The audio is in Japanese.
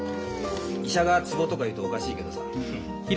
医者がツボとか言うとおかしいけどさ。